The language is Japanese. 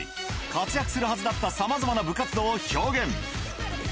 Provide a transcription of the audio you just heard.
活躍するはずだったさまざまな部活動を表現。